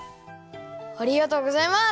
ありがとうございます！